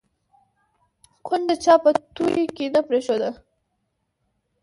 ـ کونډه چا په توى کې نه پرېښوده